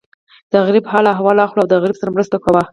د غریب حال احوال اخله او د غریب سره مرسته کوه.